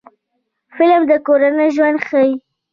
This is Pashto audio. فلم د کورنۍ ژوند ښيي